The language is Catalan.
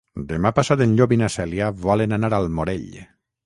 Demà passat en Llop i na Cèlia volen anar al Morell.